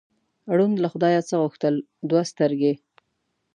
ړوند له خدایه څه غوښتل؟ دوه سترګې.